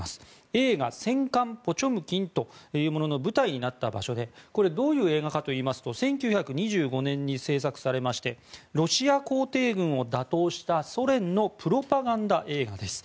映画「戦艦ポチョムキン」というものの舞台になった場所でどういう映画かといいますと１９２５年に製作されましてロシア皇帝軍を打倒したソ連のプロパガンダ映画です。